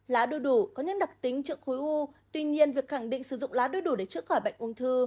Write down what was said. lá đu đủ có những đặc tính trước khối u tuy nhiên việc khẳng định sử dụng lá đưa đủ để chữa khỏi bệnh ung thư